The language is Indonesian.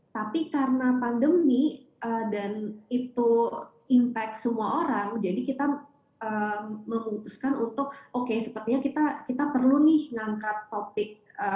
tapi karena pandemi dan itu impact semua orang jadi kita memutuskan untuk oke sepertinya kita perlu nih ngangkat topik